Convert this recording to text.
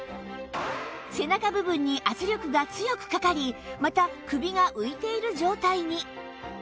背中部分に圧力が強くかかりまた首が浮いている状態に